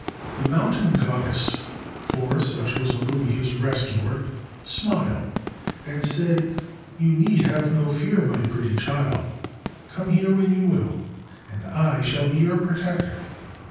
The Mountain Goddess (for such was Okureha's rescuer) smiled, and said : c You need have no fear, my pretty child. Come here when you will, and I shall be your protector.